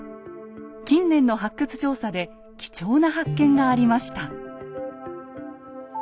近年の発掘調査で貴重な発見がありました。